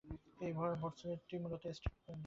এই ডেটাসেটটি মূলত একটি রিয়েল এস্টেট ডেটাসেট।